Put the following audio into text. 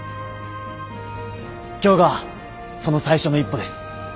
今日がその最初の一歩です。